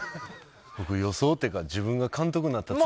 僕予想っていうか自分が監督になったつもりで。